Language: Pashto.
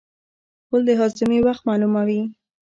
غول د هاضمې وخت معلوموي.